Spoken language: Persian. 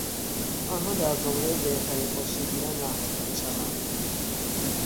آنها در زمرهی بهترین کشتیگیران محسوب میشوند.